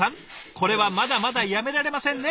これはまだまだやめられませんね！